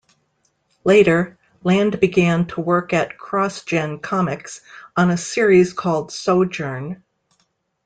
Later, Land began to work at CrossGen Comics, on a series called "Sojourn".